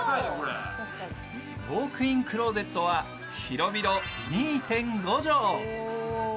ウォークインクローゼットは広々、２．５畳。